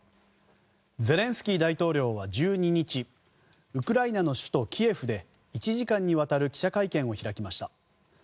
ゼレンスキー大統領は１２日ウクライナの首都キエフで１時間にわたる記者会見を開きました。